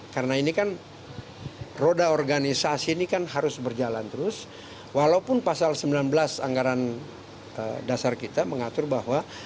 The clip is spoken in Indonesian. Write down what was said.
karena ini kan roda organisasi ini kan harus berjalan terus walaupun pasal sembilan belas anggaran dasar kita mengatur bahwa